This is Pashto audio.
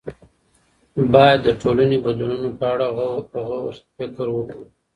باید د ټولنیزو بدلونونو په اړه په غور فکر وکړو.